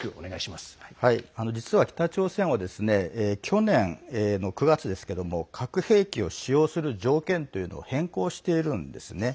実は、北朝鮮は去年の９月ですけども核兵器を使用する条件というのを変更しているんですね。